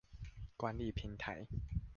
管理平台